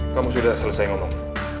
kamu sudah selesai ngomong